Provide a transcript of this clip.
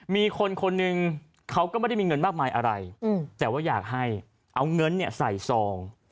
มีคนคนหนึ่งเขาก็ไม่ได้มีเงินมากมายอะไรแต่ว่าอยากให้เอาเงินใส่ซอง